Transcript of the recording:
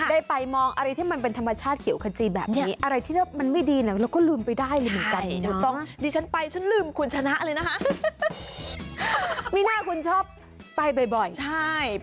ได้ไปมองอะไรที่มันเป็นธรรมชาติเขียวขาดจีนแบบนี้